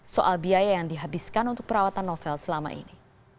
soal biaya yang dihabiskan untuk perawatan novel selama ini